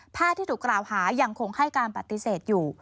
ที่ถูกกล่าวหายังคงให้การปฏิเสธอยู่